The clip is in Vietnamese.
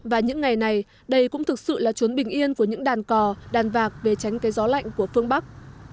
và những ngày này đây cũng thực sự là trốn bình yên của những đàn cò đàn vạc về tránh cây gió lạnh của phương bắc